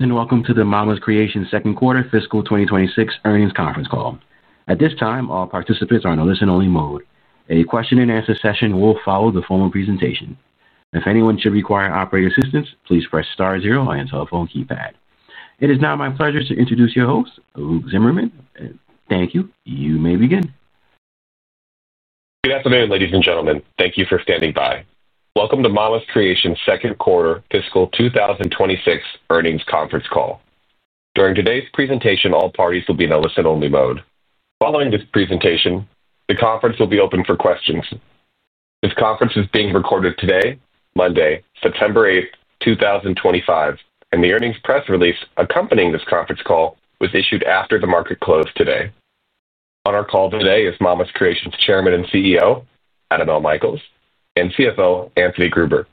Welcome to the Mama's Creations second quarter fiscal 2026 earnings conference call. At this time, all participants are in a listen-only mode. A question and answer session will follow the formal presentation. If anyone should require operator assistance, please press star zero on your telephone keypad. It is now my pleasure to introduce your host, Luke Zimmerman. Thank you. You may begin. Good afternoon, ladies and gentlemen. Thank you for standing by. Welcome to Mama's Creations second quarter fiscal 2026 earnings conference call. During today's presentation, all parties will be in a listen-only mode. Following this presentation, the conference will be open for questions. This conference is being recorded today, Monday, September 8, 2025, and the earnings press release accompanying this conference call was issued after the market closed today. On our call today is Mama's Creations Chairman and CEO, Adam L. Michaels, and CFO, Anthony Gruber.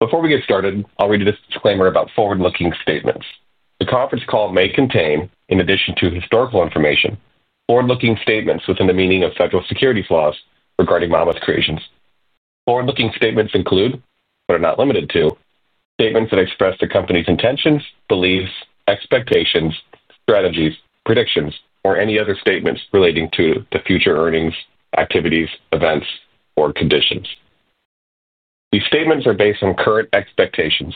Before we get started, I'll read you this disclaimer about forward-looking statements. The conference call may contain, in addition to historical information, forward-looking statements within the meaning of federal securities laws regarding Mama's Creations. Forward-looking statements include, but are not limited to, statements that express the company's intentions, beliefs, expectations, strategies, predictions, or any other statements relating to the future earnings, activities, events, or conditions. These statements are based on current expectations,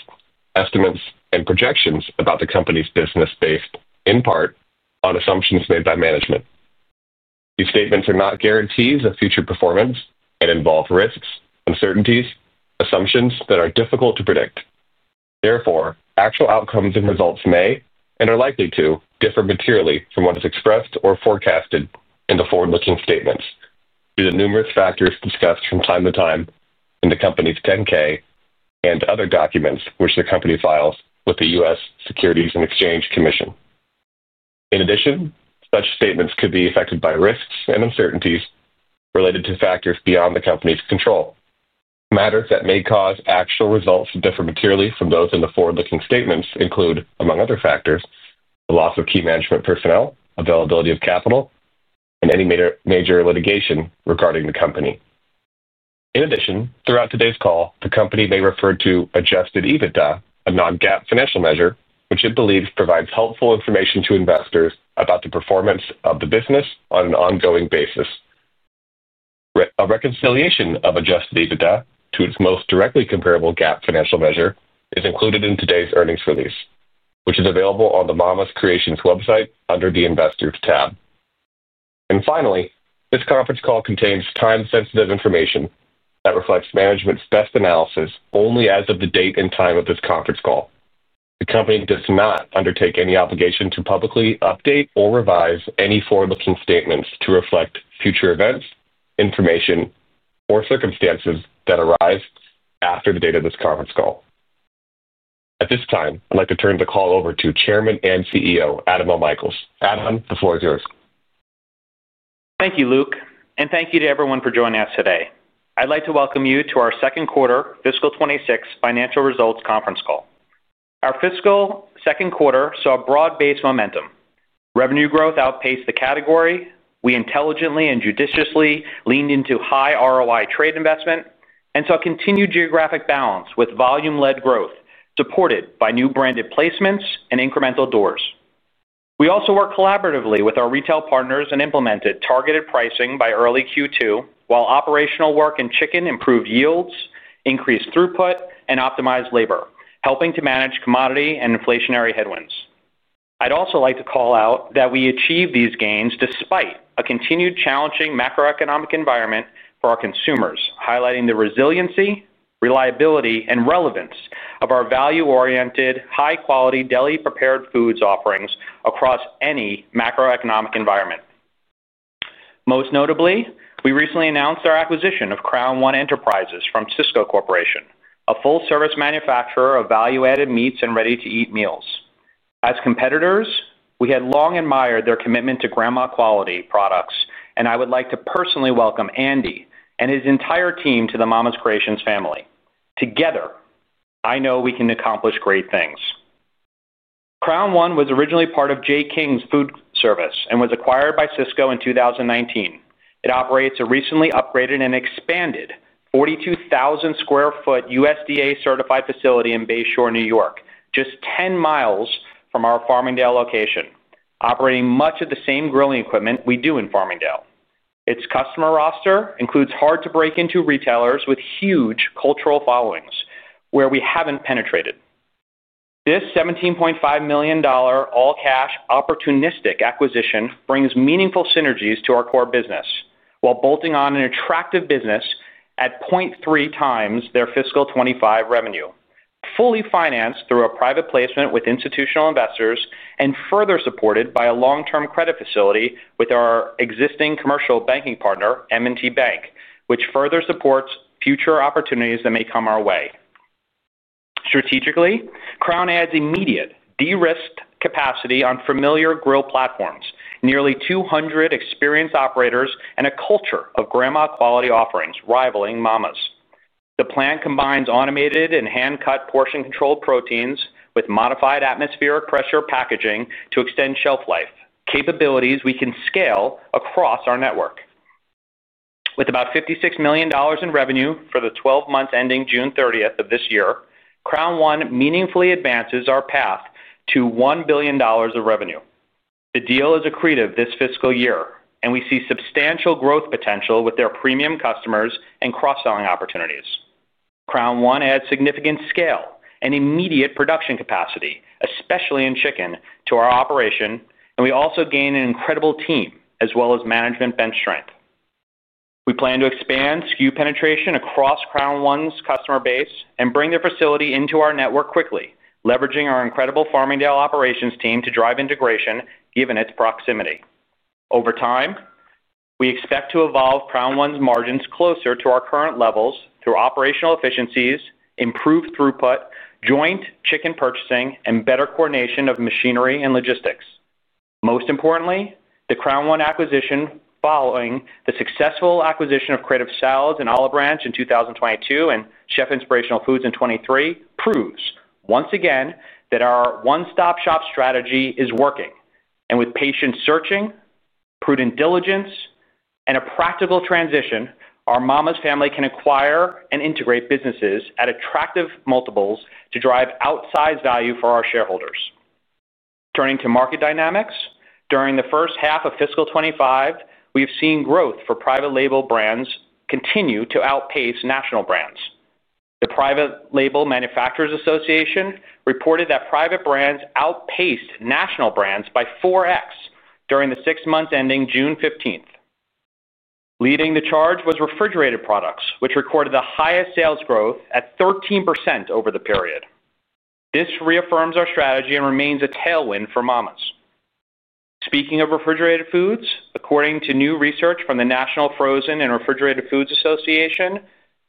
estimates, and projections about the company's business, based in part on assumptions made by management. These statements are not guarantees of future performance and involve risks, uncertainties, and assumptions that are difficult to predict. Therefore, actual outcomes and results may, and are likely to, differ materially from what is expressed or forecasted in the forward-looking statements due to numerous factors discussed from time to time in the company's 10-K and other documents which the company files with the U.S. Securities and Exchange Commission. In addition, such statements could be affected by risks and uncertainties related to factors beyond the company's control. Matters that may cause actual results to differ materially from those in the forward-looking statements include, among other factors, the loss of key management personnel, availability of capital, and any major litigation regarding the company. In addition, throughout today's call, the company may refer to adjusted EBITDA, a non-GAAP financial measure, which it believes provides helpful information to investors about the performance of the business on an ongoing basis. A reconciliation of adjusted EBITDA to its most directly comparable GAAP financial measure is included in today's earnings release, which is available on the Mama's Creations website under the Investors tab. Finally, this conference call contains time-sensitive information that reflects management's best analysis only as of the date and time of this conference call. The company does not undertake any obligation to publicly update or revise any forward-looking statements to reflect future events, information, or circumstances that arise after the date of this conference call. At this time, I'd like to turn the call over to Chairman and CEO, Adam L. Michaels. Adam, the floor is yours. Thank you, Luke, and thank you to everyone for joining us today. I'd like to welcome you to our second quarter fiscal 2026 financial results conference call. Our fiscal second quarter saw broad-based momentum. Revenue growth outpaced the category. We intelligently and judiciously leaned into high ROI trade investment and saw continued geographic balance with volume-led growth supported by new branded placements and incremental doors. We also worked collaboratively with our retail partners and implemented targeted pricing by early Q2, while operational work and chicken improved yields, increased throughput, and optimized labor, helping to manage commodity and inflationary headwinds. I'd also like to call out that we achieved these gains despite a continued challenging macroeconomic environment for our consumers, highlighting the resiliency, reliability, and relevance of our value-oriented, high-quality deli-prepared foods offerings across any macroeconomic environment. Most notably, we recently announced our acquisition of Crown One Enterprises from Sysco Corporation, a full-service manufacturer of value-added meats and ready-to-eat meals. As competitors, we had long admired their commitment to grandma quality products, and I would like to personally welcome Andy and his entire team to the Mama's Creations family. Together, I know we can accomplish great things. Crown One was originally part of J King's Food Service and was acquired by Sysco in 2019. It operates a recently upgraded and expanded 42,000 square foot USDA-certified facility in Bayshore, New York, just 10 miles from our Farmingdale location, operating much of the same grilling equipment we do in Farmingdale. Its customer roster includes hard-to-break-into retailers with huge cultural followings, where we haven't penetrated. This $17.5 million all-cash opportunistic acquisition brings meaningful synergies to our core business, while bolting on an attractive business at 0.3 times their fiscal 2025 revenue, fully financed through a private placement with institutional investors and further supported by a long-term credit facility with our existing commercial banking partner, M&T Bank, which further supports future opportunities that may come our way. Strategically, Crown adds immediate de-risked capacity on familiar grill platforms, nearly 200 experienced operators, and a culture of grandma quality offerings rivaling Mama's. The plan combines automated and hand-cut portion-controlled proteins with modified atmospheric pressure packaging to extend shelf life, capabilities we can scale across our network. With about $56 million in revenue for the 12 months ending June 30, 2024, Crown One meaningfully advances our path to $1 billion of revenue. The deal is accretive this fiscal year, and we see substantial growth potential with their premium customers and cross-selling opportunities. Crown One adds significant scale and immediate production capacity, especially in chicken, to our operation, and we also gain an incredible team as well as management bench strength. We plan to expand SKU penetration across Crown One's customer base and bring their facility into our network quickly, leveraging our incredible Farmingdale operations team to drive integration given its proximity. Over time, we expect to evolve Crown One's margins closer to our current levels through operational efficiencies, improved throughput, joint chicken purchasing, and better coordination of machinery and logistics. Most importantly, the Crown One acquisition following the successful acquisition of Creative Salads and Olive Branch in 2022 and Chef Inspirational Foods in 2023 proves once again that our one-stop shop strategy is working, and with patient searching, prudent diligence, and a practical transition, our Mama's family can acquire and integrate businesses at attractive multiples to drive outsized value for our shareholders. Turning to market dynamics, during the first half of fiscal 2025, we've seen growth for private label brands continue to outpace national brands. The Private Label Manufacturers Association reported that private brands outpaced national brands by 4x during the six months ending June 15, 2024. Leading the charge was refrigerated products, which recorded the highest sales growth at 13% over the period. This reaffirms our strategy and remains a tailwind for Mama's. Speaking of refrigerated foods, according to new research from the National Frozen and Refrigerated Foods Association,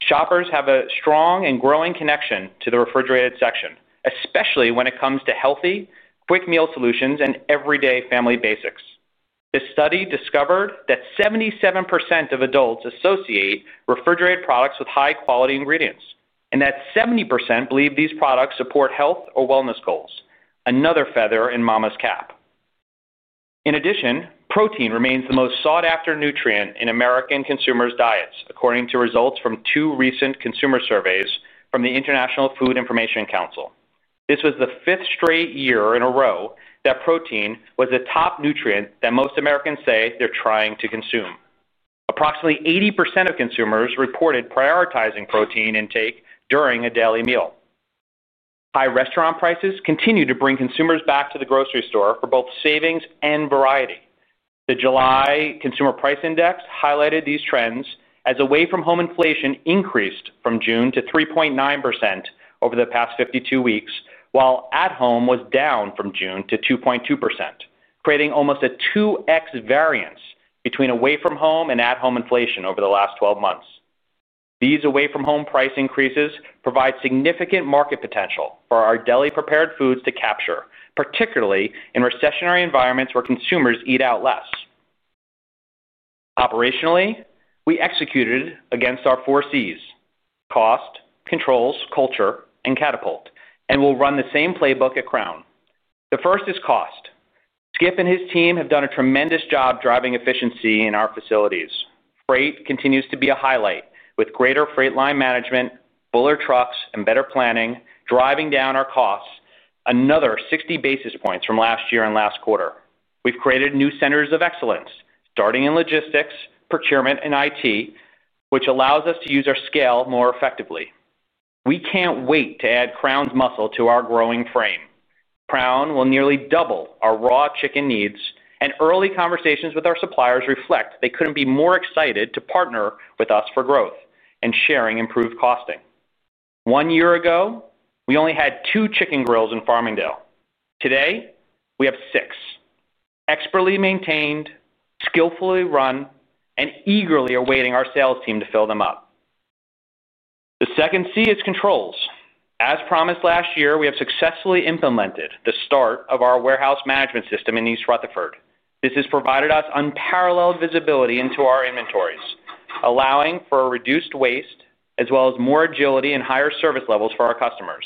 shoppers have a strong and growing connection to the refrigerated section, especially when it comes to healthy, quick meal solutions and everyday family basics. This study discovered that 77% of adults associate refrigerated products with high-quality ingredients, and that 70% believe these products support health or wellness goals, another feather in Mama's cap. In addition, protein remains the most sought-after nutrient in American consumers' diets, according to results from two recent consumer surveys from the International Food Information Council. This was the fifth straight year in a row that protein was a top nutrient that most Americans say they're trying to consume. Approximately 80% of consumers reported prioritizing protein intake during a daily meal. High restaurant prices continue to bring consumers back to the grocery store for both savings and variety. The July Consumer Price Index highlighted these trends as away-from-home inflation increased from June to 3.9% over the past 52 weeks, while at-home was down from June to 2.2%, creating almost a 2x variance between away-from-home and at-home inflation over the last 12 months. These away-from-home price increases provide significant market potential for our deli-prepared foods to capture, particularly in recessionary environments where consumers eat out less. Operationally, we executed against our four C's: cost, controls, culture, and catapult, and we'll run the same playbook at Crown. The first is cost. Skip and his team have done a tremendous job driving efficiency in our facilities. Freight continues to be a highlight, with greater freight line management, fuller trucks, and better planning driving down our costs another 60 basis points from last year and last quarter. We've created new centers of excellence, starting in logistics, procurement, and IT, which allows us to use our scale more effectively. We can't wait to add Crown's muscle to our growing frame. Crown will nearly double our raw chicken needs, and early conversations with our suppliers reflect they couldn't be more excited to partner with us for growth and sharing improved costing. One year ago, we only had two chicken grills in Farmingdale. Today, we have six, expertly maintained, skillfully run, and eagerly awaiting our sales team to fill them up. The second C is controls. As promised last year, we have successfully implemented the start of our warehouse management system in East Rutherford. This has provided us unparalleled visibility into our inventories, allowing for reduced waste as well as more agility and higher service levels for our customers.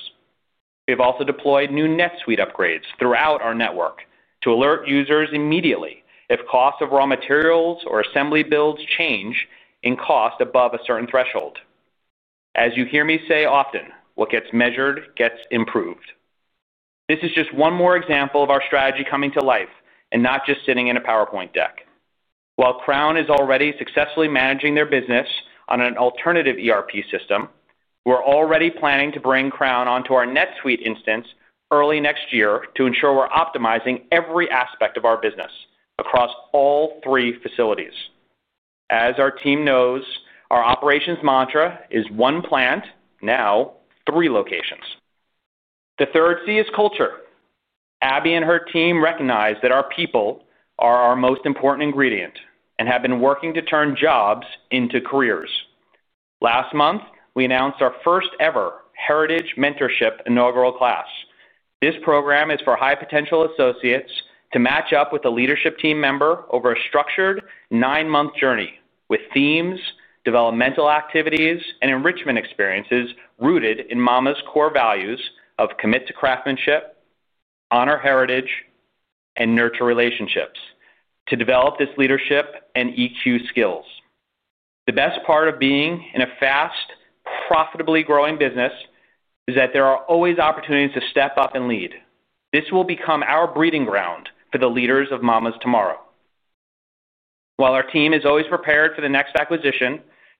We've also deployed new NetSuite upgrades throughout our network to alert users immediately if costs of raw materials or assembly builds change in cost above a certain threshold. As you hear me say often, what gets measured gets improved. This is just one more example of our strategy coming to life and not just sitting in a PowerPoint deck. While Crown is already successfully managing their business on an alternative ERP system, we're already planning to bring Crown onto our NetSuite instance early next year to ensure we're optimizing every aspect of our business across all three facilities. As our team knows, our operations mantra is one plant, now three locations. The third C is culture. Abby and her team recognize that our people are our most important ingredient and have been working to turn jobs into careers. Last month, we announced our first-ever Heritage Mentorship inaugural class. This program is for high-potential associates to match up with a leadership team member over a structured nine-month journey with themes, developmental activities, and enrichment experiences rooted in Mama's core values of commit to craftsmanship, honor heritage, and nurture relationships to develop this leadership and EQ skills. The best part of being in a fast, profitably growing business is that there are always opportunities to step up and lead. This will become our breeding ground for the leaders of Mama's tomorrow. While our team is always prepared for the next acquisition,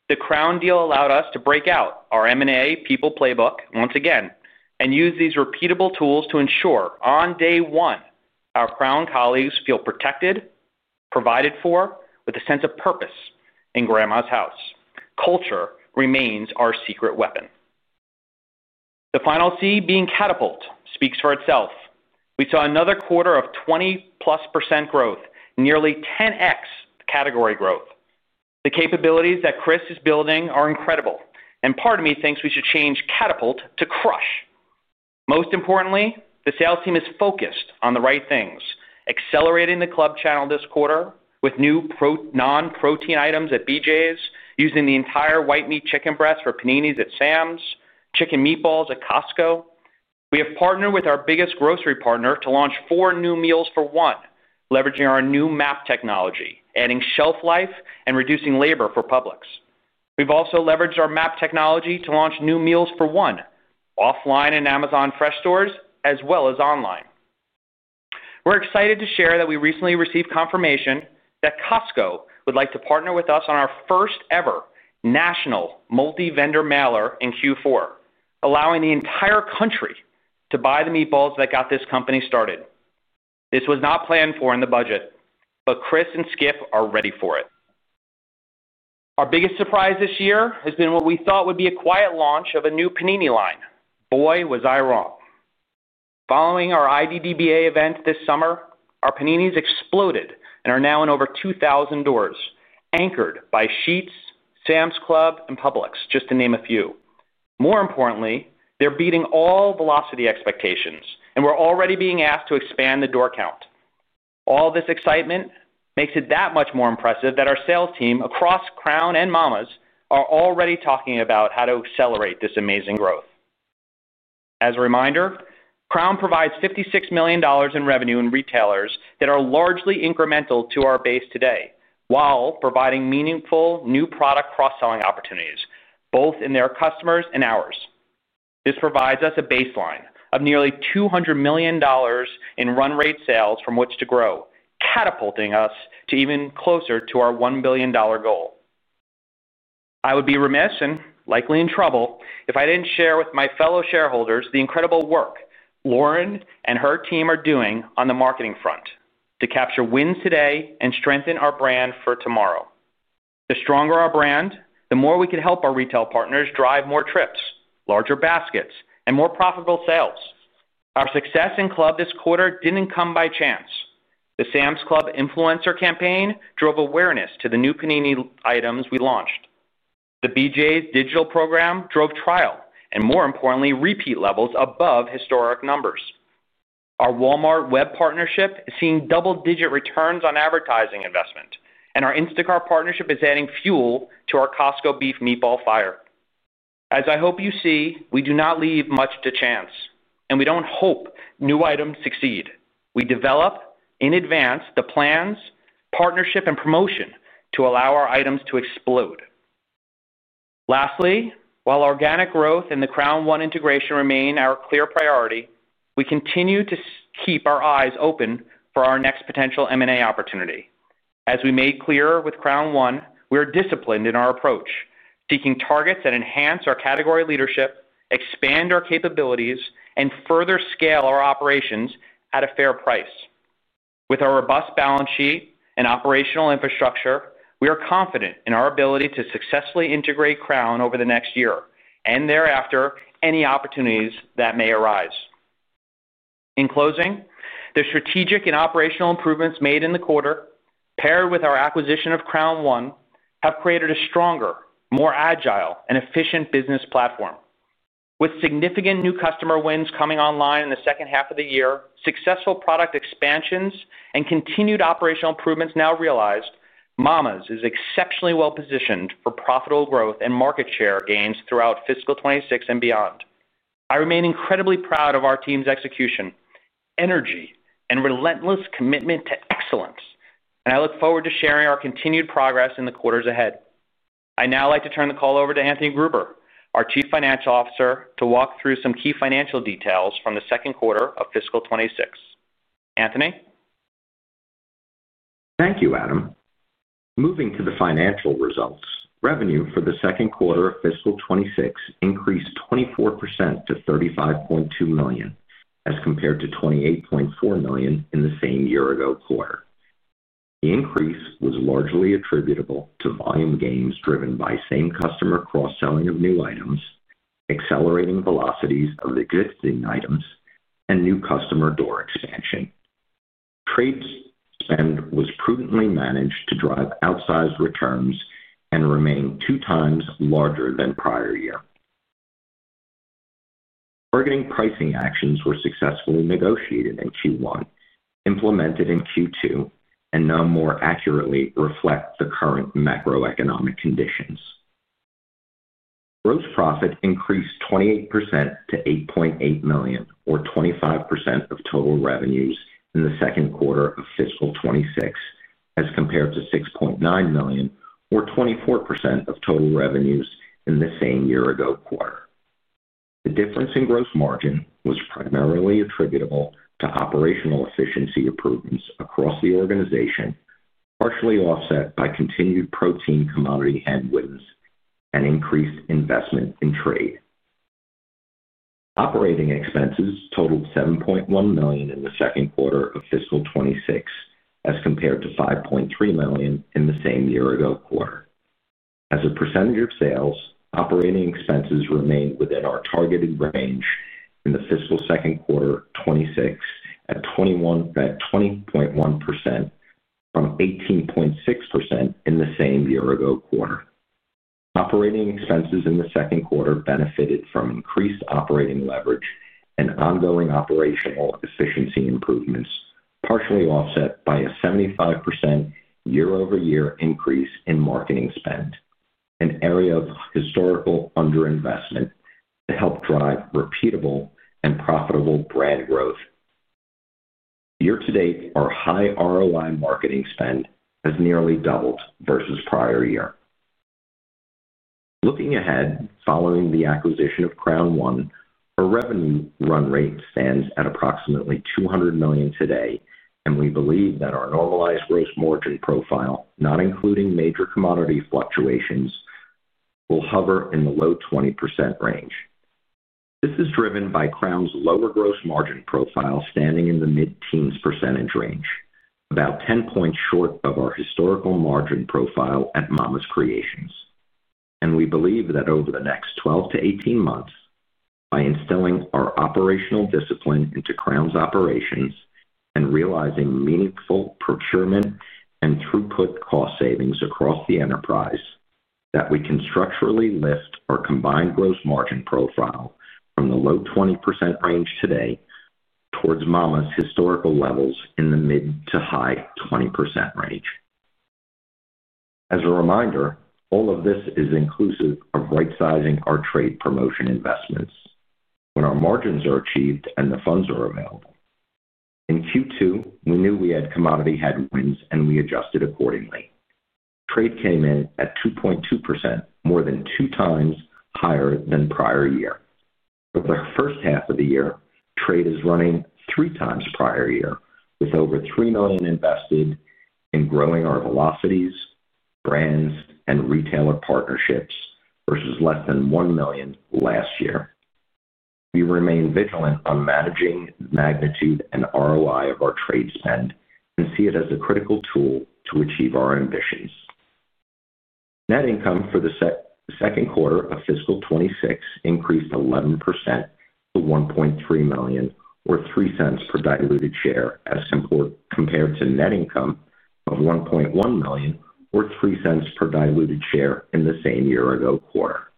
the Crown deal allowed us to break out our M&A people playbook once again and use these repeatable tools to ensure on day one our Crown colleagues feel protected, provided for with a sense of purpose in grandma's house. Culture remains our secret weapon. The final C being catapult speaks for itself. We saw another quarter of 20+% growth, nearly 10x category growth. The capabilities that Chris is building are incredible, and part of me thinks we should change catapult to crush. Most importantly, the sales team is focused on the right things, accelerating the club channel this quarter with new non-protein items at BJ's, using the entire white meat chicken breast for paninis at Sam’s, chicken meatballs at Costco. We have partnered with our biggest grocery partner to launch four new meals for one, leveraging our new MAP technology, adding shelf life, and reducing labor for Publix. We've also leveraged our MAP technology to launch new meals for one offline in Amazon Fresh Stores as well as online. We're excited to share that we recently received confirmation that Costco would like to partner with us on our first-ever national multi-vendor mailer in Q4, allowing the entire country to buy the meatballs that got this company started. This was not planned for in the budget, but Chris and Skip are ready for it. Our biggest surprise this year has been what we thought would be a quiet launch of a new panini line. Boy, was I wrong. Following our IDDBA event this summer, our paninis exploded and are now in over 2,000 doors, anchored by Sheetz, Sam’s Club, and Publix, just to name a few. More importantly, they're beating all velocity expectations, and we're already being asked to expand the door count. All this excitement makes it that much more impressive that our sales team across Crown and Mama's are already talking about how to accelerate this amazing growth. As a reminder, Crown provides $56 million in revenue in retailers that are largely incremental to our base today, while providing meaningful new product cross-selling opportunities, both in their customers and ours. This provides us a baseline of nearly $200 million in run-rate sales from which to grow, catapulting us to even closer to our $1 billion goal. I would be remiss and likely in trouble if I didn't share with my fellow shareholders the incredible work Lauren and her team are doing on the marketing front to capture wins today and strengthen our brand for tomorrow. The stronger our brand, the more we could help our retail partners drive more trips, larger baskets, and more profitable sales. Our success in club this quarter didn't come by chance. The Sam’s Club influencer campaign drove awareness to the new panini items we launched. The BJ’s digital program drove trial and, more importantly, repeat levels above historic numbers. Our Walmart web partnership is seeing double-digit returns on advertising investment, and our Instacart partnership is adding fuel to our Costco beef meatball fire. As I hope you see, we do not leave much to chance, and we don't hope new items succeed. We develop in advance the plans, partnership, and promotion to allow our items to explode. Lastly, while organic growth and the Crown One integration remain our clear priority, we continue to keep our eyes open for our next potential M&A opportunity. As we made clear with Crown One, we are disciplined in our approach, seeking targets that enhance our category leadership, expand our capabilities, and further scale our operations at a fair price. With our robust balance sheet and operational infrastructure, we are confident in our ability to successfully integrate Crown over the next year and thereafter any opportunities that may arise. In closing, the strategic and operational improvements made in the quarter, paired with our acquisition of Crown One, have created a stronger, more agile, and efficient business platform. With significant new customer wins coming online in the second half of the year, successful product expansions, and continued operational improvements now realized, Mama's is exceptionally well positioned for profitable growth and market share gains throughout fiscal 2026 and beyond. I remain incredibly proud of our team's execution, energy, and relentless commitment to excellence, and I look forward to sharing our continued progress in the quarters ahead. I'd now like to turn the call over to Anthony Gruber, our Chief Financial Officer, to walk through some key financial details from the second quarter of fiscal 2026. Anthony? Thank you, Adam. Moving to the financial results, revenue for the second quarter of fiscal 2026 increased 24% to $35.2 million as compared to $28.4 million in the same year-ago quarter. The increase was largely attributable to volume gains driven by same-customer cross-selling of new items, accelerating velocities of existing items, and new customer door expansion. Freight spend was prudently managed to drive outsized returns and remain two times larger than prior year. Targeted pricing actions were successfully negotiated in Q1, implemented in Q2, and now more accurately reflect the current macroeconomic conditions. Gross profit increased 28% to $8.8 million, or 25% of total revenues in the second quarter of fiscal 2026, as compared to $6.9 million, or 24% of total revenues in the same year-ago quarter. The difference in gross margin was primarily attributable to operational efficiency improvements across the organization, partially offset by continued protein commodity and inflationary headwinds and increased investment in trade. Operating expenses totaled $7.1 million in the second quarter of fiscal 2026, as compared to $5.3 million in the same year-ago quarter. As a percentage of sales, operating expenses remained within our targeted range in the fiscal second quarter 2026 at 20.1% from 18.6% in the same year-ago quarter. Operating expenses in the second quarter benefited from increased operating leverage and ongoing operational efficiency improvements, partially offset by a 75% year-over-year increase in marketing spend, an area of historical underinvestment to help drive repeatable and profitable brand growth. Year to date, our high ROI marketing spend has nearly doubled versus prior year. Looking ahead, following the acquisition of Crown One Enterprises, our revenue run rate stands at approximately $200 million today, and we believe that our normalized gross margin profile, not including major commodity fluctuations, will hover in the low 20% range. This is driven by Crown One Enterprises' lower gross margin profile standing in the mid-teens percentage range, about 10 points short of our historical margin profile at Mama's Creations. We believe that over the next 12 to 18 months, by instilling our operational discipline into Crown One Enterprises' operations and realizing meaningful procurement and throughput cost savings across the enterprise, we can structurally lift our combined gross margin profile from the low 20% range today towards Mama's Creations' historical levels in the mid to high 20% range. As a reminder, all of this is inclusive of right-sizing our trade promotion investments when our margins are achieved and the funds are available. In Q2, we knew we had commodity headwinds, and we adjusted accordingly. Trade came in at 2.2%, more than two times higher than prior year. For the first half of the year, trade is running three times prior year, with over $3 million invested in growing our velocities, brands, and retailer partnerships versus less than $1 million last year. We remain vigilant on managing the magnitude and ROI of our trade spend and see it as a critical tool to achieve our ambitions. Net income for the second quarter of fiscal 2026 increased 11% to $1.3 million, or $0.03 per diluted share, as compared to net income of $1.1 million, or $0.03 per diluted share in the same year-ago quarter.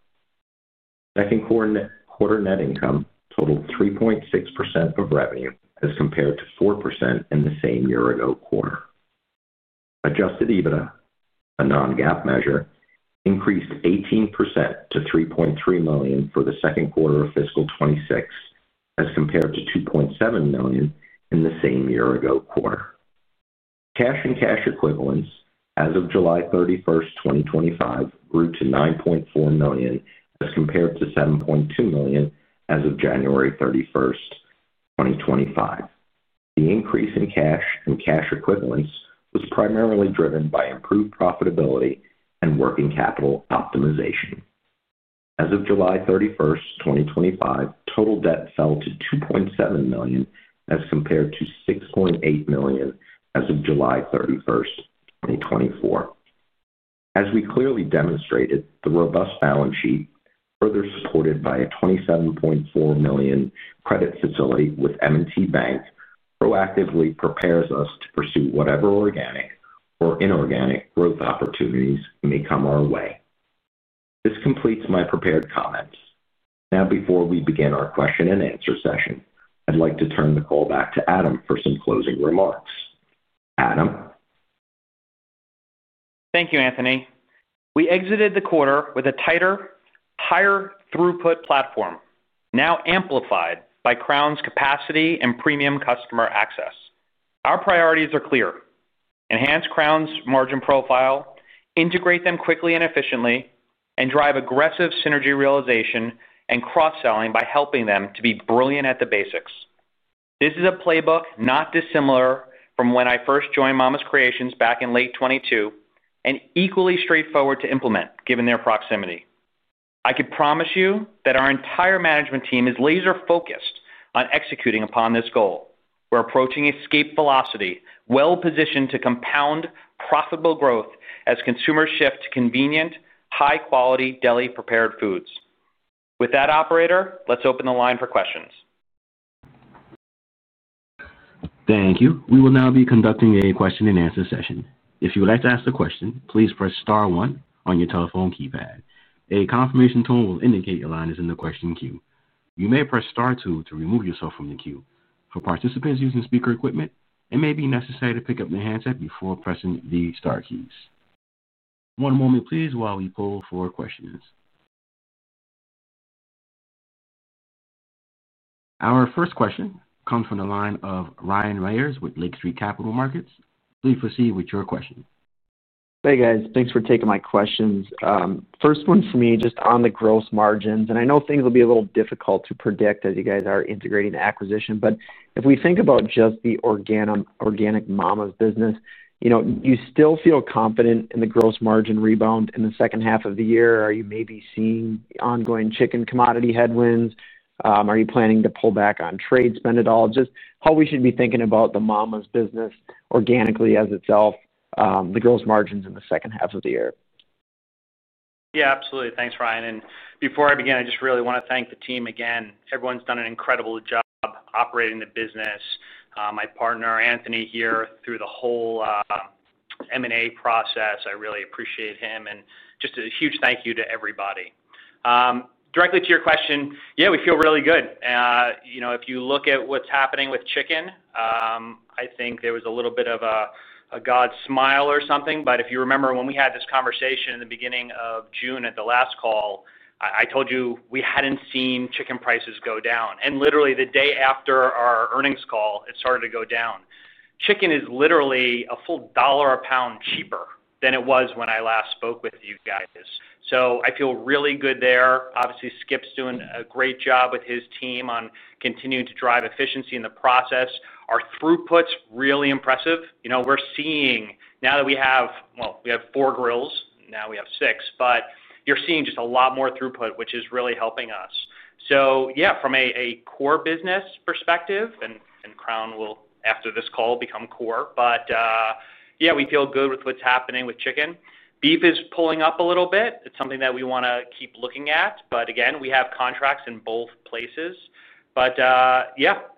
Second quarter net income totaled 3.6% of revenue, as compared to 4% in the same year-ago quarter. Adjusted EBITDA, a non-GAAP measure, increased 18% to $3.3 million for the second quarter of fiscal 2026, as compared to $2.7 million in the same year-ago quarter. Cash and cash equivalents as of July 31, 2025, grew to $9.4 million as compared to $7.2 million as of January 31, 2025. The increase in cash and cash equivalents was primarily driven by improved profitability and working capital optimization. As of July 31, 2025, total debt fell to $2.7 million as compared to $6.8 million as of July 31, 2024. As we clearly demonstrated, the robust balance sheet, further supported by a $27.4 million credit facility with M&T Bank, proactively prepares us to pursue whatever organic or inorganic growth opportunities may come our way. This completes my prepared comments. Now, before we begin our question and answer session, I'd like to turn the call back to Adam for some closing remarks. Adam? Thank you, Anthony. We exited the quarter with a tighter, higher throughput platform, now amplified by Crown's capacity and premium customer access. Our priorities are clear: enhance Crown's margin profile, integrate them quickly and efficiently, and drive aggressive synergy realization and cross-selling by helping them to be brilliant at the basics. This is a playbook not dissimilar from when I first joined Mama's Creations back in late 2022 and equally straightforward to implement, given their proximity. I could promise you that our entire management team is laser-focused on executing upon this goal. We're approaching escape velocity, well positioned to compound profitable growth as consumers shift to convenient, high-quality deli-prepared foods. With that, operator, let's open the line for questions. Thank you. We will now be conducting a question and answer session. If you would like to ask a question, please press star one on your telephone keypad. A confirmation tone will indicate your line is in the question queue. You may press star two to remove yourself from the queue. For participants using speaker equipment, it may be necessary to pick up the headset before pressing the star keys. One moment, please, while we pull for questions. Our first question comes from the line of Ryan Reyes with Lake Street Capital Markets. Please proceed with your question. Hey, guys. Thanks for taking my questions. First one for me, just on the gross margins, and I know things will be a little difficult to predict as you guys are integrating the acquisition. If we think about just the organic Mama's Creations business, you know, you still feel confident in the gross margin rebound in the second half of the year? Are you maybe seeing ongoing chicken commodity headwinds? Are you planning to pull back on trade spend at all? Just how we should be thinking about the Mama's Creations business organically as itself, the gross margins in the second half of the year. Yeah, absolutely. Thanks, Ryan. Before I begin, I just really want to thank the team again. Everyone's done an incredible job operating the business. My partner, Anthony, here through the whole M&A process, I really appreciate him. Just a huge thank you to everybody. Directly to your question, yeah, we feel really good. You know, if you look at what's happening with chicken, I think there was a little bit of a God's smile or something. If you remember when we had this conversation in the beginning of June at the last call, I told you we hadn't seen chicken prices go down. Literally the day after our earnings call, it started to go down. Chicken is literally a full dollar a pound cheaper than it was when I last spoke with you guys. I feel really good there. Obviously, Skip's doing a great job with his team on continuing to drive efficiency in the process. Our throughput's really impressive. We're seeing now that we have, well, we have four grills. Now we have six, but you're seeing just a lot more throughput, which is really helping us. From a core business perspective, and Crown will, after this call, become core. Yeah, we feel good with what's happening with chicken. Beef is pulling up a little bit. It's something that we want to keep looking at. Again, we have contracts in both places.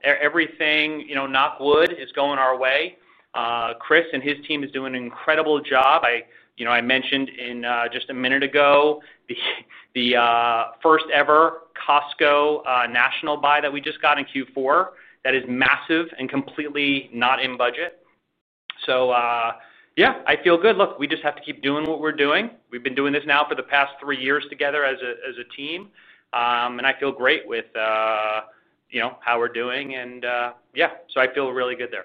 Everything, you know, knock wood, is going our way. Chris and his team is doing an incredible job. I mentioned just a minute ago the first-ever Costco national buy that we just got in Q4 that is massive and completely not in budget. I feel good. Look, we just have to keep doing what we're doing. We've been doing this now for the past three years together as a team. I feel great with, you know, how we're doing. Yeah, I feel really good there.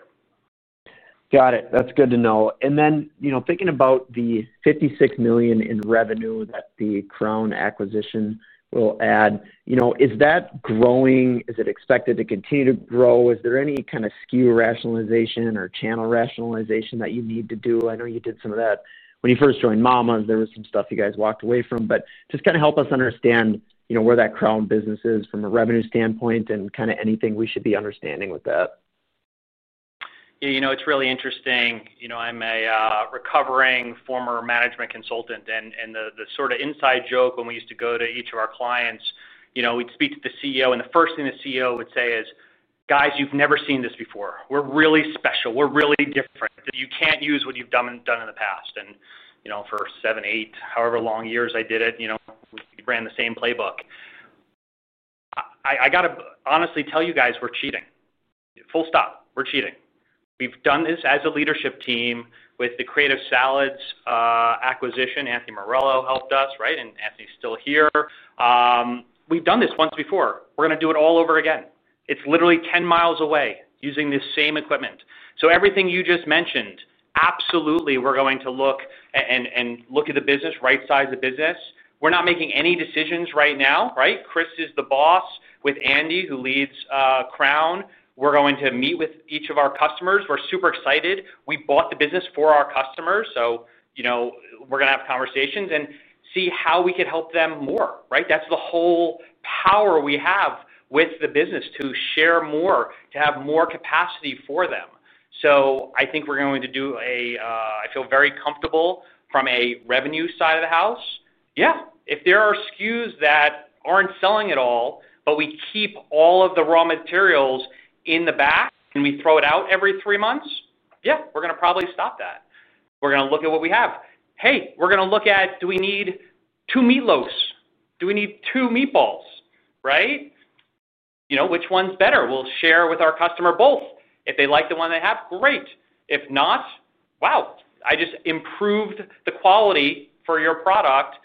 Got it. That's good to know. Thinking about the $56 million in revenue that the Crown acquisition will add, is that growing? Is it expected to continue to grow? Is there any kind of SKU rationalization or channel rationalization that you need to do? I know you did some of that when you first joined Mama's Creations. There was some stuff you guys walked away from, but just help us understand where that Crown business is from a revenue standpoint and anything we should be understanding with that. Yeah, you know, it's really interesting. I'm a recovering former management consultant, and the sort of inside joke when we used to go to each of our clients, we'd speak to the CEO, and the first thing the CEO would say is, "Guys, you've never seen this before. We're really special. We're really different. You can't use what you've done in the past." For seven, eight, however long years I did it, we ran the same playbook. I got to honestly tell you guys, we're cheating. Full stop. We're cheating. We've done this as a leadership team with the Creative Salads acquisition. Anthony Morello helped us, right? Anthony's still here. We've done this once before. We're going to do it all over again. It's literally 10 miles away using this same equipment. Everything you just mentioned, absolutely, we're going to look and look at the business, right-size the business. We're not making any decisions right now, right? Chris is the boss with Andy, who leads Crown. We're going to meet with each of our customers. We're super excited. We bought the business for our customers. We're going to have conversations and see how we can help them more, right? That's the whole power we have with the business to share more, to have more capacity for them. I think we're going to do a, I feel very comfortable from a revenue side of the house. Yeah, if there are SKUs that aren't selling at all, but we keep all of the raw materials in the back and we throw it out every three months, yeah, we're going to probably stop that. We're going to look at what we have. Hey, we're going to look at, do we need two meatloafs? Do we need two meatballs? Right? Which one's better? We'll share with our customer both. If they like the one they have, great. If not, wow, I just improved the quality for your product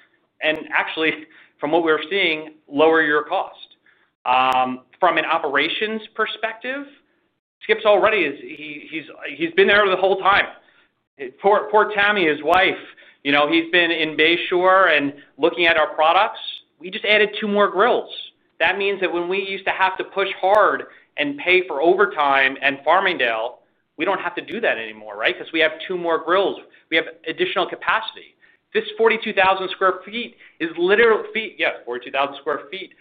and actually, from what we're seeing, lower your cost. From an operations perspective, Skip's already, he's been there the whole time. Poor Tammy, his wife, he's been in Bayshore and looking at our products. We just added two more grills. That means that when we used to have to push hard and pay for overtime in Farmingdale, we don't have to do that anymore, right? Because we have two more grills. We have additional capacity. This 42,000 square feet is literally feet, yeah, 42,000 square feet.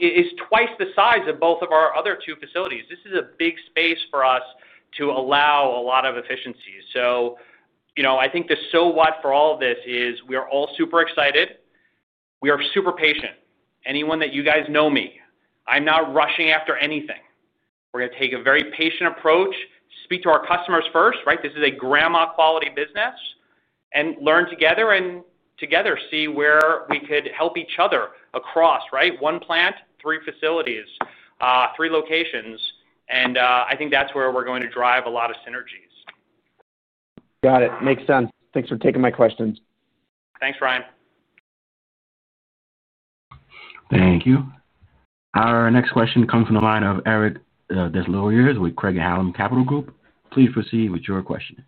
It is twice the size of both of our other two facilities. This is a big space for us to allow a lot of efficiencies. I think the so what for all of this is we are all super excited. We are super patient. Anyone that you guys know me, I'm not rushing after anything. We're going to take a very patient approach, speak to our customers first, right? This is a grandma quality business and learn together and together see where we could help each other across, right? One plant, three facilities, three locations. I think that's where we're going to drive a lot of synergies. Got it. Makes sense. Thanks for taking my questions. Thanks, Ryan. Thank you. Our next question comes from the line of Eric Des Lauriers with Craig Alleman Capital Group. Please proceed with your question.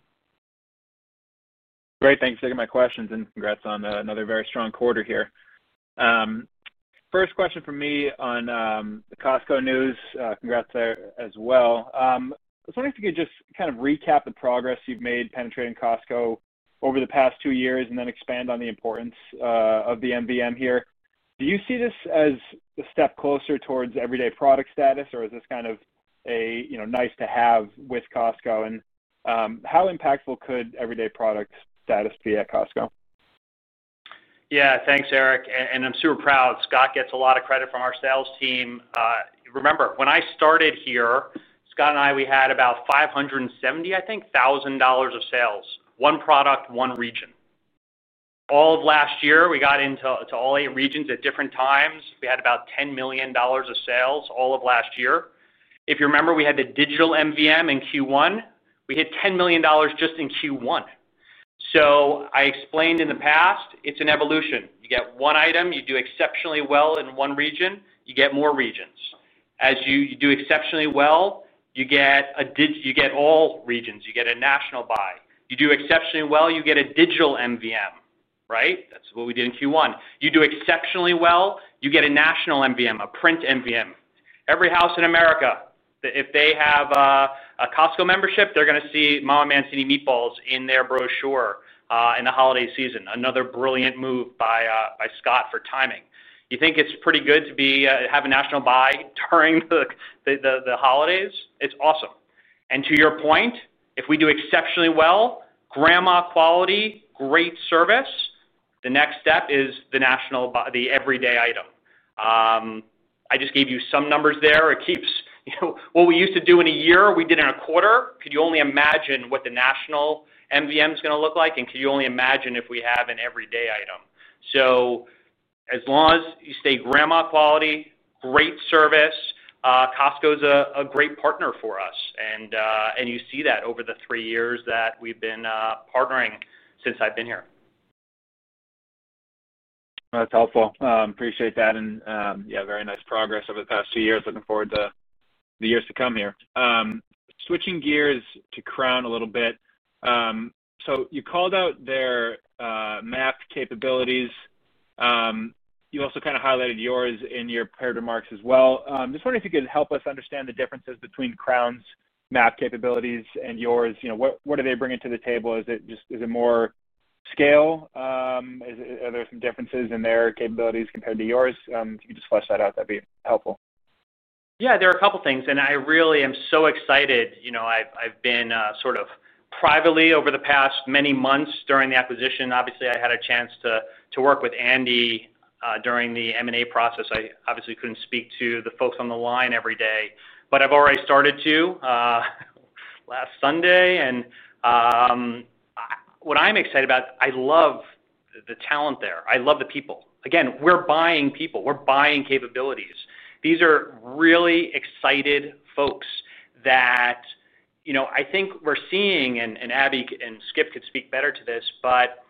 Great. Thanks for taking my questions and congrats on another very strong quarter here. First question for me on the Costco news, congrats there as well. I was wondering if you could just kind of recap the progress you've made penetrating Costco over the past two years and then expand on the importance of the MBM here. Do you see this as a step closer towards everyday product status, or is this kind of a nice-to-have with Costco? How impactful could everyday product status be at Costco? Yeah, thanks, Eric. I'm super proud. Scott gets a lot of credit from our sales team. Remember, when I started here, Scott and I had about $570,000 of sales, one product, one region. All of last year, we got into all eight regions at different times. We had about $10 million of sales all of last year. If you remember, we had the digital MVM in Q1. We hit $10 million just in Q1. I explained in the past, it's an evolution. You get one item, you do exceptionally well in one region, you get more regions. As you do exceptionally well, you get all regions, you get a national buy. You do exceptionally well, you get a digital MVM, right? That's what we did in Q1. You do exceptionally well, you get a national MVM, a print MVM. Every house in America, if they have a Costco membership, they're going to see Mama Mancini meatballs in their brochure in the holiday season. Another brilliant move by Scott for timing. You think it's pretty good to have a national buy during the holidays? It's awesome. To your point, if we do exceptionally well, grandma quality, great service, the next step is the national buy, the everyday item. I just gave you some numbers there. It keeps, you know, what we used to do in a year, we did in a quarter. Could you only imagine what the national MVM is going to look like? Could you only imagine if we have an everyday item? As long as you stay grandma quality, great service, Costco's a great partner for us. You see that over the three years that we've been partnering since I've been here. That's helpful. Appreciate that. Very nice progress over the past two years. Looking forward to the years to come here. Switching gears to Crown a little bit. You called out their map capabilities. You also kind of highlighted yours in your pair of remarks as well. I'm just wondering if you could help us understand the differences between Crown's map capabilities and yours. What are they bringing to the table? Is it just, is it more scale? Are there some differences in their capabilities compared to yours? If you could just flesh that out, that'd be helpful. Yeah, there are a couple of things. I really am so excited. You know, I've been sort of privately over the past many months during the acquisition. Obviously, I had a chance to work with Andy during the M&A process. I obviously couldn't speak to the folks on the line every day, but I've already started to last Sunday. What I'm excited about, I love the talent there. I love the people. Again, we're buying people. We're buying capabilities. These are really excited folks that, you know, I think we're seeing, and Abby and Skip could speak better to this, but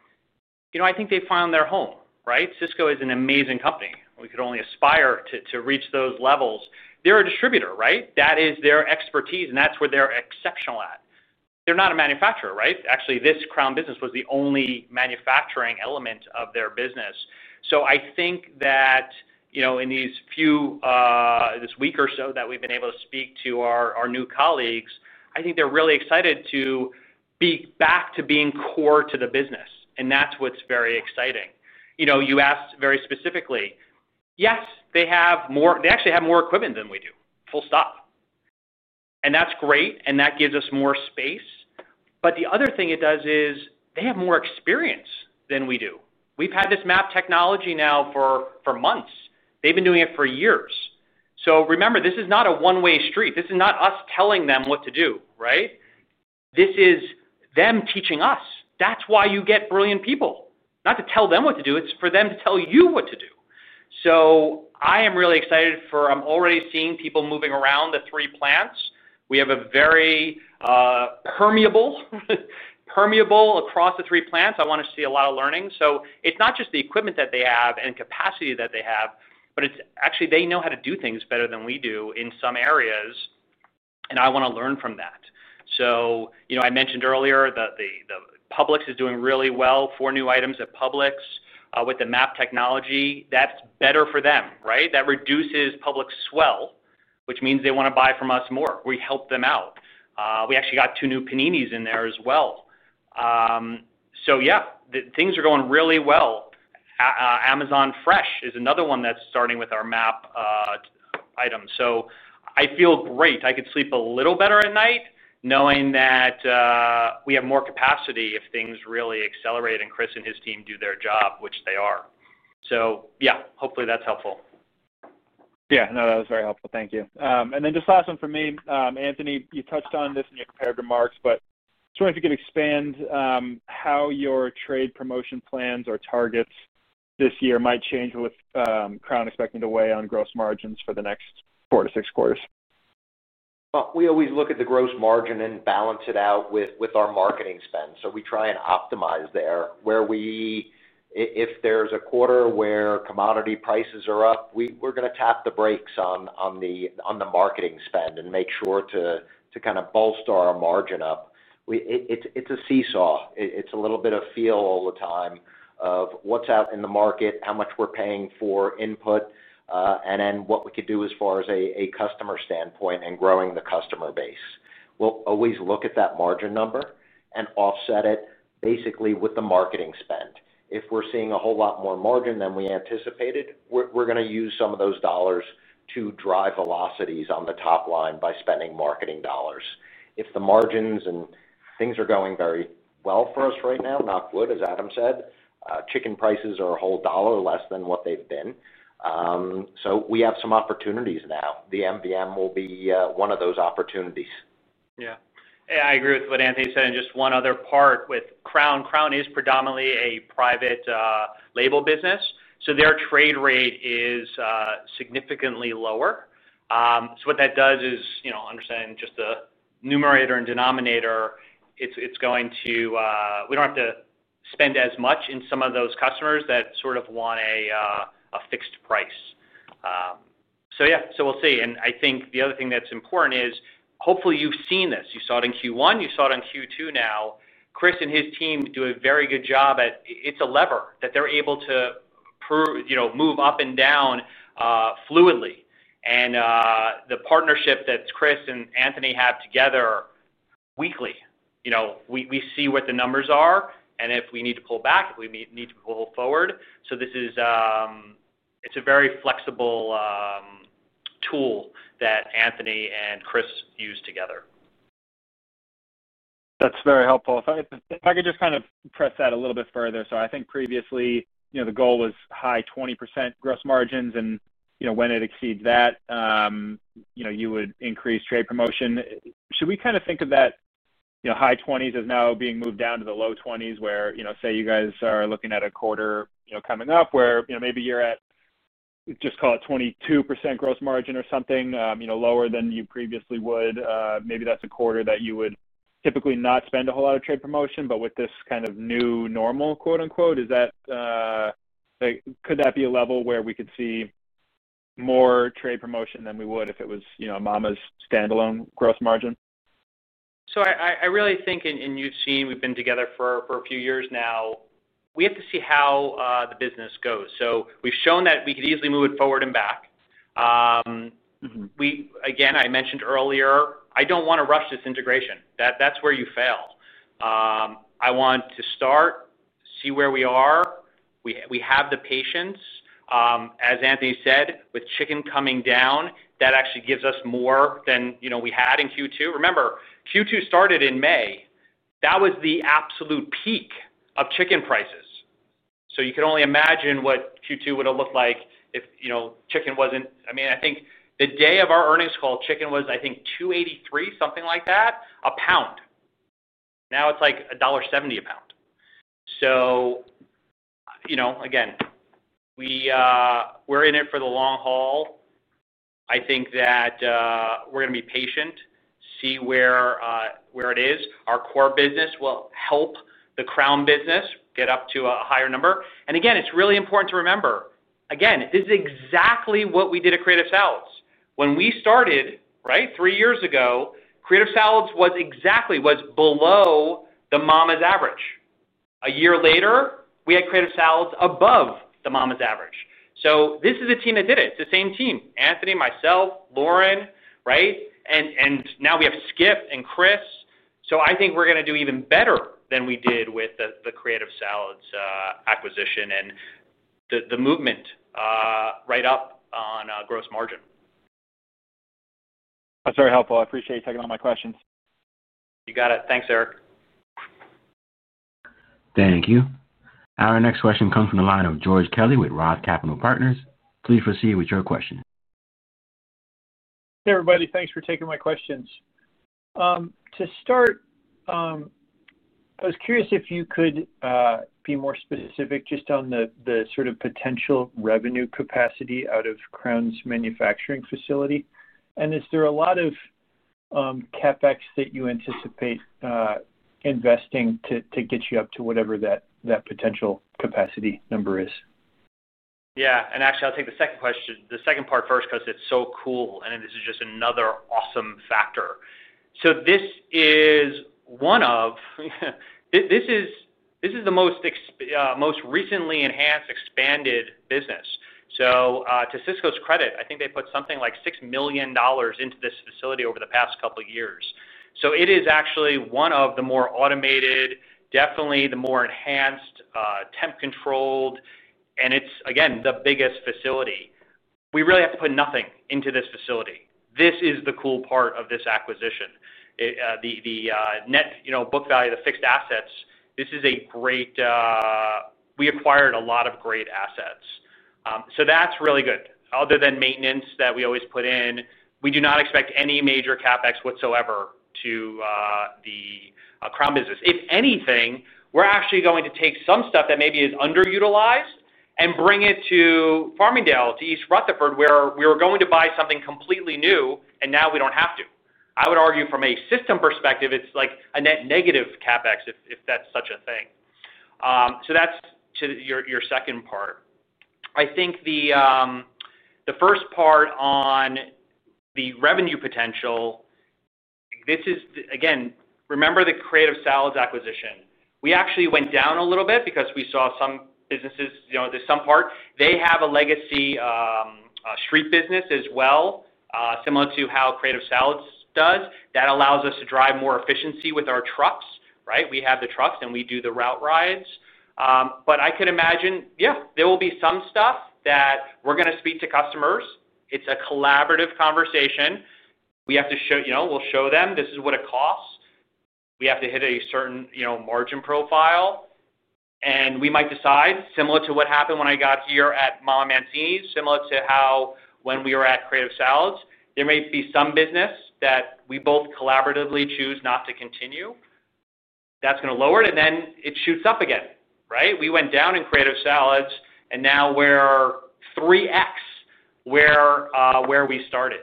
you know, I think they found their home, right? Sysco is an amazing company. We could only aspire to reach those levels. They're a distributor, right? That is their expertise, and that's where they're exceptional at. They're not a manufacturer, right? Actually, this Crown business was the only manufacturing element of their business. I think that, you know, in this week or so that we've been able to speak to our new colleagues, I think they're really excited to be back to being core to the business. That's what's very exciting. You know, you asked very specifically, yes, they have more, they actually have more equipment than we do. Full stop. That's great. That gives us more space. The other thing it does is they have more experience than we do. We've had this MAP technology now for months. They've been doing it for years. Remember, this is not a one-way street. This is not us telling them what to do, right? This is them teaching us. That's why you get brilliant people. Not to tell them what to do. It's for them to tell you what to do. I am really excited for, I'm already seeing people moving around the three plants. We have a very permeable, permeable across the three plants. I want to see a lot of learning. It's not just the equipment that they have and capacity that they have, but it's actually they know how to do things better than we do in some areas. I want to learn from that. You know, I mentioned earlier that Publix is doing really well for new items at Publix with the MAP technology. That's better for them, right? That reduces Publix's swell, which means they want to buy from us more. We help them out. We actually got two new paninis in there as well. Yeah, things are going really well. Amazon Fresh is another one that's starting with our MAP item. I feel great. I could sleep a little better at night knowing that we have more capacity if things really accelerate and Chris and his team do their job, which they are. Yeah, hopefully that's helpful. That was very helpful. Thank you. Just the last one for me. Anthony, you touched on this in your comparative remarks, but I just wonder if you could expand how your trade promotion plans or targets this year might change with Crown expecting to weigh on gross margins for the next four to six quarters. We always look at the gross margin and balance it out with our marketing spend. We try and optimize there. If there's a quarter where commodity prices are up, we're going to tap the brakes on the marketing spend and make sure to kind of bolster our margin up. It's a seesaw. It's a little bit of feel all the time of what's out in the market, how much we're paying for input, and then what we could do as far as a customer standpoint and growing the customer base. We'll always look at that margin number and offset it basically with the marketing spend. If we're seeing a whole lot more margin than we anticipated, we're going to use some of those dollars to drive velocities on the top line by spending marketing dollars. If the margins and things are going very well for us right now, knock wood, as Adam said, chicken prices are a whole dollar less than what they've been. We have some opportunities now. The MVM will be one of those opportunities. Yeah, I agree with what Anthony said. Just one other part with Crown. Crown is predominantly a private label business, so their trade rate is significantly lower. What that does is, you know, understanding just the numerator and denominator, it's going to, we don't have to spend as much in some of those customers that sort of want a fixed price. We'll see. I think the other thing that's important is hopefully you've seen this. You saw it in Q1. You saw it in Q2 now. Chris and his team do a very good job at, it's a lever that they're able to, you know, move up and down fluently. The partnership that Chris and Anthony have together weekly, you know, we see what the numbers are and if we need to pull back, if we need to pull forward. This is a very flexible tool that Anthony and Chris use together. That's very helpful. If I could just press that a little bit further. I think previously, the goal was high 20% gross margins. When it exceeds that, you would increase trade promotion. Should we think of that high 20s as now being moved down to the low 20s where, say, you guys are looking at a quarter coming up where maybe you're at, just call it 22% gross margin or something lower than you previously would. Maybe that's a quarter that you would typically not spend a whole lot of trade promotion. With this kind of new normal, quote unquote, could that be a level where we could see more trade promotion than we would if it was a Mama's Creations standalone gross margin? I really think, and you've seen, we've been together for a few years now, we have to see how the business goes. We've shown that we could easily move it forward and back. I mentioned earlier, I don't want to rush this integration. That's where you fail. I want to start, see where we are. We have the patience. As Anthony said, with chicken coming down, that actually gives us more than, you know, we had in Q2. Remember, Q2 started in May. That was the absolute peak of chicken prices. You can only imagine what Q2 would have looked like if, you know, chicken wasn't, I mean, I think the day of our earnings call, chicken was, I think, $2.83, something like that, a pound. Now it's like $1.70 a pound. We're in it for the long haul. I think that we're going to be patient, see where it is. Our core business will help the Crown business get up to a higher number. It's really important to remember, this is exactly what we did at Creative Salads. When we started, three years ago, Creative Salads was exactly below the Mama's average. A year later, we had Creative Salads above the Mama's average. This is a team that did it. It's the same team, Anthony, myself, Lauren, right? Now we have Skip and Chris. I think we're going to do even better than we did with the Creative Salads acquisition and the movement right up on gross margin. That's very helpful. I appreciate you taking all my questions. You got it. Thanks, Eric. Thank you. Our next question comes from the line of George Kelly with Roth Capital Partners. Please proceed with your question. Hey, everybody. Thanks for taking my questions. To start, I was curious if you could be more specific just on the sort of potential revenue capacity out of Crown One Enterprises' manufacturing facility. Is there a lot of CapEx that you anticipate investing to get you up to whatever that potential capacity number is? Yeah. I'll take the second question, the second part first because it's so cool. This is just another awesome factor. This is the most recently enhanced, expanded business. To Sysco's credit, I think they put something like $6 million into this facility over the past couple of years. It is actually one of the more automated, definitely the more enhanced, temp-controlled, and it's, again, the biggest facility. We really have to put nothing into this facility. This is the cool part of this acquisition. The net book value, the fixed assets, this is great, we acquired a lot of great assets. That's really good. Other than maintenance that we always put in, we do not expect any major CapEx whatsoever to the Crown business. If anything, we're actually going to take some stuff that maybe is underutilized and bring it to Farmingdale, to East Rutherford, where we were going to buy something completely new, and now we don't have to. I would argue from a system perspective, it's like a net negative CapEx if that's such a thing. That's to your second part. I think the first part on the revenue potential, this is, again, remember the Creative Salads acquisition. We actually went down a little bit because we saw some businesses, there's some part, they have a legacy street business as well, similar to how Creative Salads does. That allows us to drive more efficiency with our trucks, right? We have the trucks and we do the route rides. I could imagine, yeah, there will be some stuff that we're going to speak to customers. It's a collaborative conversation. We have to show, we'll show them this is what it costs. We have to hit a certain margin profile. We might decide, similar to what happened when I got here at Mama's Creations, similar to how when we were at Creative Salads, there may be some business that we both collaboratively choose not to continue. That's going to lower it, and then it shoots up again, right? We went down in Creative Salads, and now we're 3x where we started.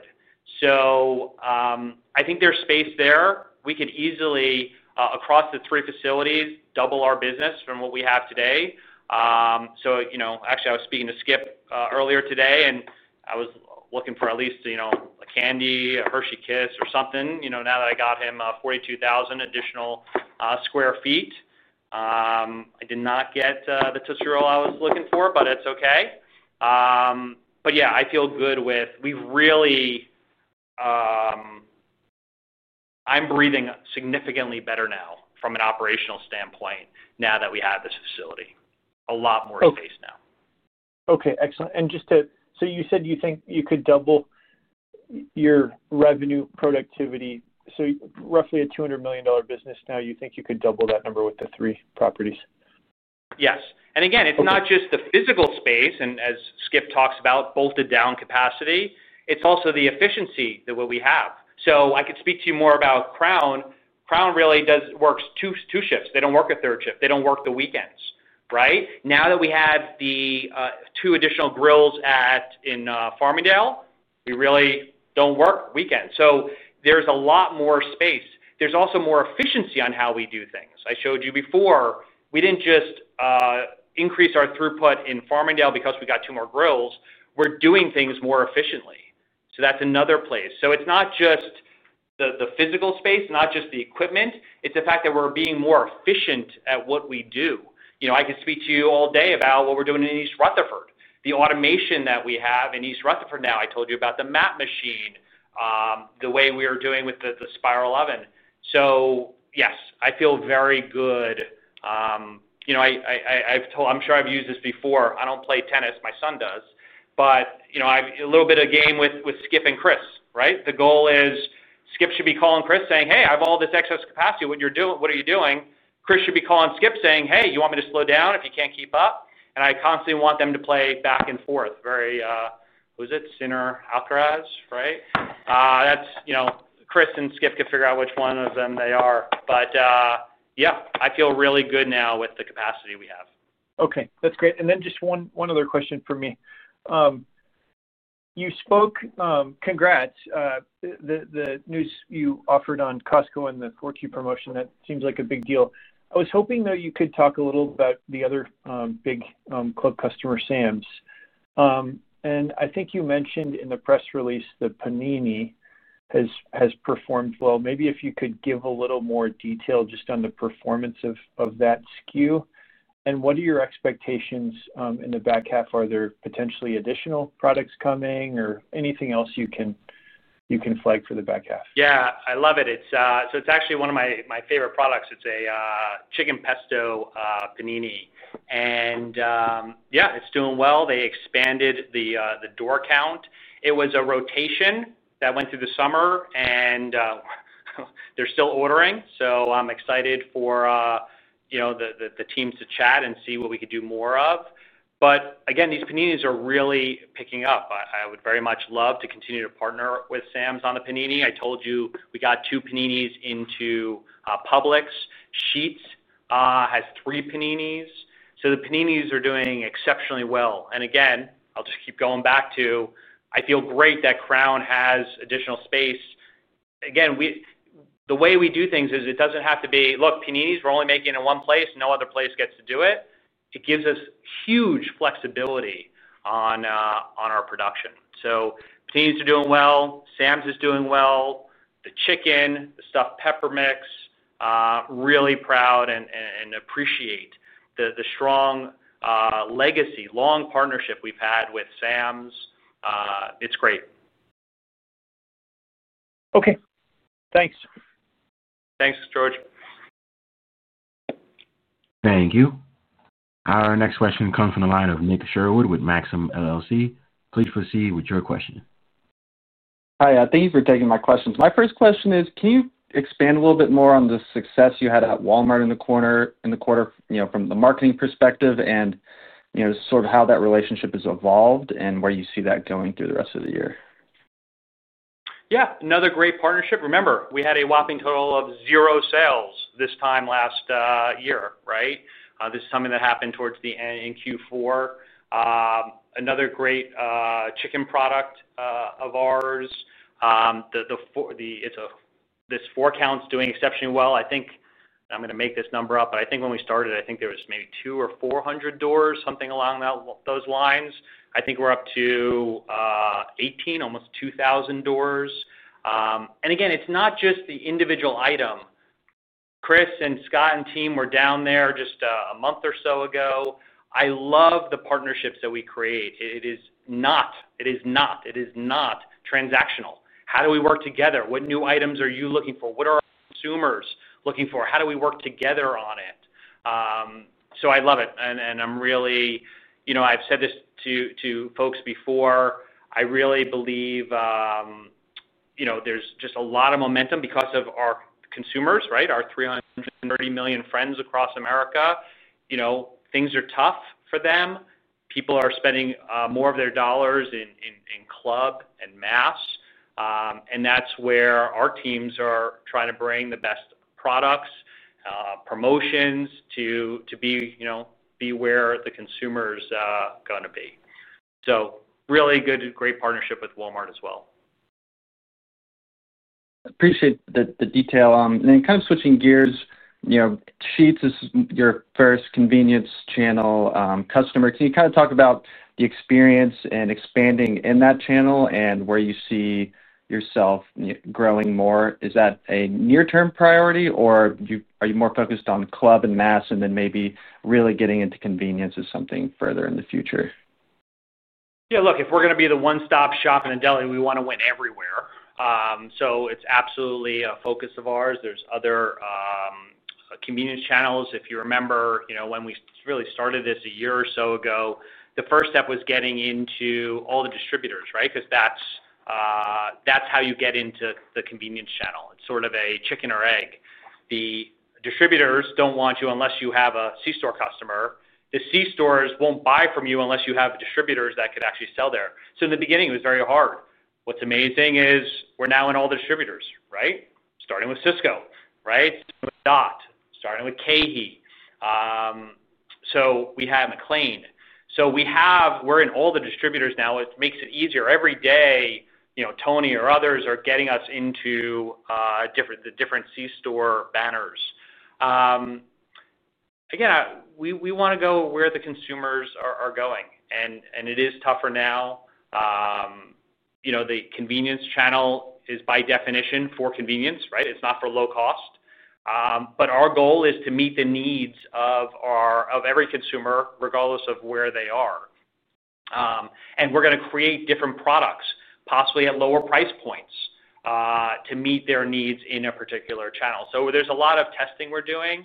I think there's space there. We could easily, across the three facilities, double our business from what we have today. Actually, I was speaking to Skip earlier today, and I was looking for at least a candy, a Hershey Kiss or something, now that I got him 42,000 additional square feet. I did not get the Tussirol I was looking for, but it's okay. I feel good with, we've really, I'm breathing significantly better now from an operational standpoint now that we have this facility. A lot more space now. Okay, excellent. Just to, you said you think you could double your revenue productivity. Roughly a $200 million business now, you think you could double that number with the three properties? Yes. It's not just the physical space, and as Skip talks about, bolted down capacity, it's also the efficiency that we have. I could speak to you more about Crown. Crown really does work two shifts. They don't work a third shift. They don't work the weekends, right? Now that we have the two additional grills in Farmingdale, we really don't work weekends. There's a lot more space. There's also more efficiency on how we do things. I showed you before, we didn't just increase our throughput in Farmingdale because we got two more grills. We're doing things more efficiently. That's another place. It's not just the physical space, not just the equipment. It's the fact that we're being more efficient at what we do. I could speak to you all day about what we're doing in East Rutherford. The automation that we have in East Rutherford now, I told you about the map machine, the way we are doing with the spiral oven. Yes, I feel very good. I've told, I'm sure I've used this before. I don't play tennis. My son does. I have a little bit of game with Skip and Chris, right? The goal is Skip should be calling Chris saying, "Hey, I have all this excess capacity. What are you doing? What are you doing?" Chris should be calling Skip saying, "Hey, you want me to slow down if you can't keep up?" I constantly want them to play back and forth. Very, what was it, Carlos Alcaraz, right? That's, you know, Chris and Skip could figure out which one of them they are. I feel really good now with the capacity we have. Okay, that's great. Just one other question for me. You spoke, congrats, the news you offered on Costco and the 4Q promotion. That seems like a big deal. I was hoping you could talk a little about the other big club customer, Sam’s. I think you mentioned in the press release the panini has performed well. Maybe if you could give a little more detail just on the performance of that SKU. What are your expectations in the back half? Are there potentially additional products coming or anything else you can flag for the back half? Yeah, I love it. It's actually one of my favorite products. It's a chicken pesto panini, and it's doing well. They expanded the door count. It was a rotation that went through the summer, and they're still ordering. I'm excited for the teams to chat and see what we could do more of. These paninis are really picking up. I would very much love to continue to partner with Sam’s on the panini. I told you we got two paninis into Publix. Sheetz has three paninis. The paninis are doing exceptionally well. I feel great that Crown has additional space. The way we do things is it doesn't have to be, look, paninis we're only making in one place. No other place gets to do it. It gives us huge flexibility on our production. Paninis are doing well. Sam’s is doing well. The chicken, the stuffed pepper mix, really proud and appreciate the strong legacy, long partnership we've had with Sam’s. It's great. Okay. Thanks, George. Thank you. Our next question comes from the line of Nicholas Sherwood with Maxim LLC. Please proceed with your question. Hi, thank you for taking my questions. My first question is, can you expand a little bit more on the success you had at Walmart in the quarter, from the marketing perspective and how that relationship has evolved and where you see that going through the rest of the year? Yeah, another great partnership. Remember, we had a whopping total of zero sales this time last year, right? This is something that happened towards the end in Q4. Another great chicken product of ours. This four count is doing exceptionally well. I think I'm going to make this number up, but I think when we started, I think there was maybe 200 or 400 doors, something along those lines. I think we're up to 1,800, almost 2,000 doors. It is not just the individual item. Chris and Scott and team were down there just a month or so ago. I love the partnerships that we create. It is not, it is not, it is not transactional. How do we work together? What new items are you looking for? What are our consumers looking for? How do we work together on it? I love it. I've said this to folks before. I really believe there's just a lot of momentum because of our consumers, right? Our 330 million friends across America. Things are tough for them. People are spending more of their dollars in club and mass. That is where our teams are trying to bring the best products, promotions to be where the consumer's going to be. Really good, great partnership with Walmart as well. Appreciate the detail. Kind of switching gears, you know, Sheetz is your first convenience channel customer. Can you talk about the experience and expanding in that channel and where you see yourself growing more? Is that a near-term priority, or are you more focused on club and mass and then maybe really getting into convenience as something further in the future? Yeah, look, if we're going to be the one-stop shop in the deli, we want to win everywhere. It's absolutely a focus of ours. There are other convenience channels. If you remember, when we really started this a year or so ago, the first step was getting into all the distributors, right? That's how you get into the convenience channel. It's sort of a chicken or egg. The distributors don't want you unless you have a C-store customer. The C-stores won't buy from you unless you have distributors that could actually sell there. In the beginning, it was very hard. What's amazing is we're now in all the distributors, right? Starting with Sysco, right? Starting with Dot, starting with KeHE. We have McLane. We're in all the distributors now. It makes it easier every day. Tony or others are getting us into the different C-store banners. We want to go where the consumers are going. It is tougher now. The convenience channel is by definition for convenience, right? It's not for low cost. Our goal is to meet the needs of every consumer, regardless of where they are. We're going to create different products, possibly at lower price points, to meet their needs in a particular channel. There's a lot of testing we're doing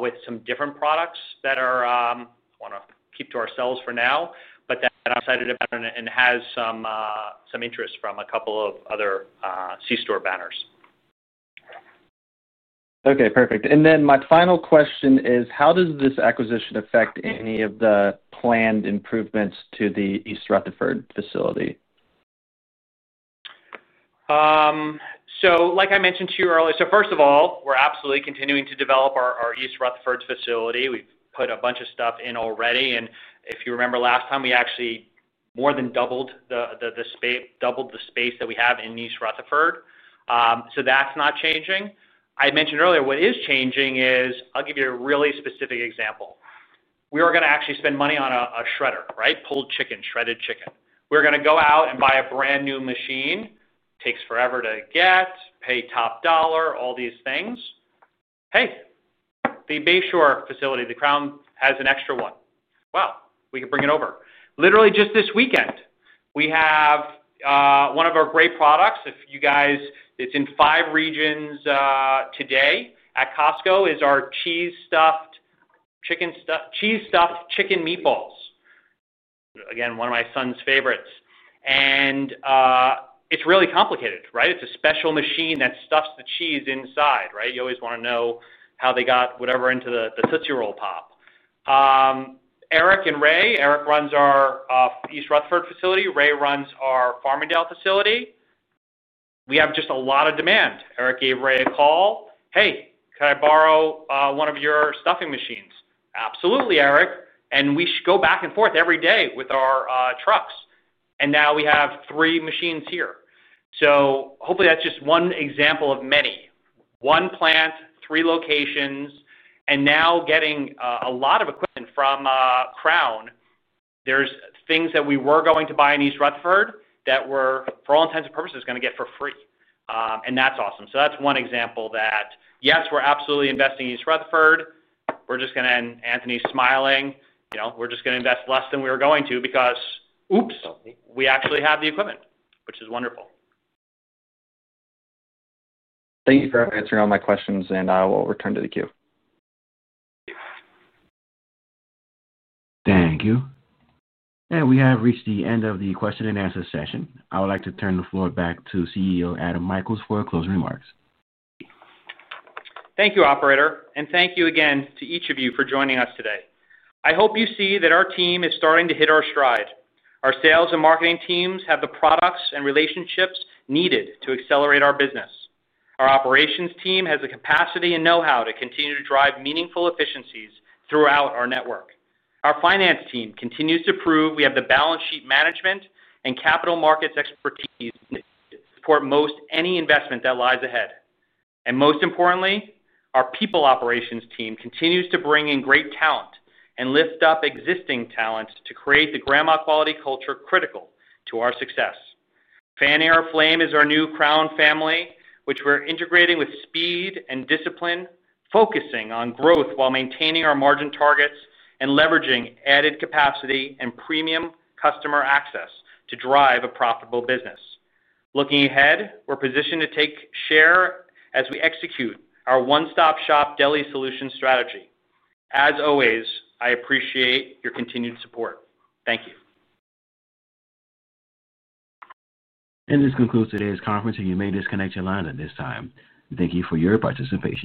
with some different products that are, I want to keep to ourselves for now, but that I'm excited about and has some interest from a couple of other C-store banners. Okay, perfect. My final question is, how does this acquisition affect any of the planned improvements to the East Rutherford facility? Like I mentioned to you earlier, first of all, we're absolutely continuing to develop our East Rutherford facility. We've put a bunch of stuff in already. If you remember last time, we actually more than doubled the space that we have in East Rutherford. That's not changing. I mentioned earlier, what is changing is, I'll give you a really specific example. We are going to actually spend money on a shredder, right? Pulled chicken, shredded chicken. We're going to go out and buy a brand new machine. Takes forever to get, pay top dollar, all these things. The Bayshore facility, Crown has an extra one. We could bring it over. Literally, just this weekend, we have one of our great products. If you guys, it's in five regions today at Costco, is our cheese-stuffed chicken meatballs. Again, one of my son's favorites. It's really complicated, right? It's a special machine that stuffs the cheese inside, right? You always want to know how they got whatever into the Tootsie Roll Pop. Eric and Ray, Eric runs our East Rutherford facility. Ray runs our Farmingdale facility. We have just a lot of demand. Eric gave Ray a call. Hey, can I borrow one of your stuffing machines? Absolutely, Eric. We go back and forth every day with our trucks. Now we have three machines here. Hopefully that's just one example of many. One plant, three locations, and now getting a lot of equipment from Crown. There are things that we were going to buy in East Rutherford that we're, for all intents and purposes, going to get for free. That's awesome. That's one example that, yes, we're absolutely investing in East Rutherford. We're just going to, and Anthony's smiling, you know, we're just going to invest less than we were going to because, oops, we actually have the equipment, which is wonderful. Thank you for answering all my questions, and I will return to the queue. Thank you. We have reached the end of the question and answer session. I would like to turn the floor back to CEO Adam L. Michaels for closing remarks. Thank you, Operator, and thank you again to each of you for joining us today. I hope you see that our team is starting to hit our stride. Our sales and marketing teams have the products and relationships needed to accelerate our business. Our operations team has the capacity and know-how to continue to drive meaningful efficiencies throughout our network. Our finance team continues to prove we have the balance sheet management and capital markets expertise for most any investment that lies ahead. Most importantly, our people operations team continues to bring in great talent and lift up existing talent to create the grandma quality culture critical to our success. Crown One Enterprises is our new Crown family, which we're integrating with speed and discipline, focusing on growth while maintaining our margin targets and leveraging added capacity and premium customer access to drive a profitable business. Looking ahead, we're positioned to take share as we execute our one-stop shop deli solution strategy. As always, I appreciate your continued support. Thank you. This concludes today's conference, and you may disconnect your line at this time. Thank you for your participation.